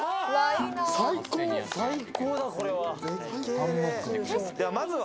最高だこれは。